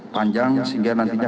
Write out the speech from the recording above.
panjang sehingga nantinya